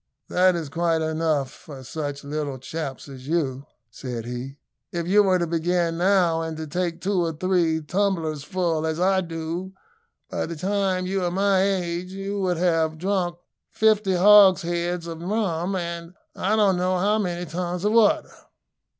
"That is quite enough for such little chaps as you," said he. "If you were to begin now, and to take two or three tumblersful as I do, by the time you are my age, you would have drunk fifty hogsheads of rum, and I don't know how many tons of water."